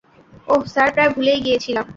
অহ sir, প্রায় ভুলেই গিয়েছিলাম।